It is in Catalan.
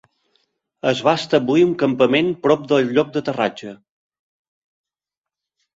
Es va establir un campament prop del lloc d'aterratge.